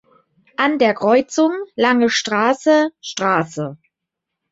An der Kreuzung Lange Straße-St.